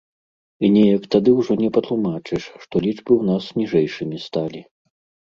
І неяк тады ўжо не патлумачыш, што лічбы ў нас ніжэйшымі сталі.